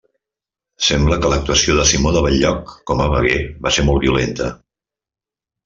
Sembla que l'actuació de Simó de Bell-lloc com a veguer va ser molt violenta.